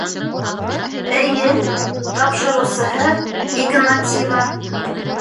Эйе, тапшырыусыһы - Игнатьева.